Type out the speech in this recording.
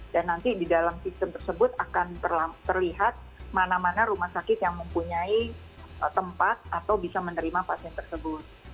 dan nanti di dalam sistem tersebut akan terlihat mana mana rumah sakit yang mempunyai tempat atau bisa menerima pasien tersebut